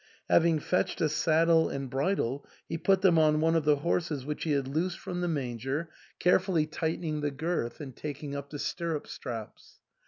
Having fetched a saddle and bridle, ho put them on one of the horses which he had loosed from the manger, carefully tight THE ENTAIL. 303 ening the girth and taking up the stirrup straps.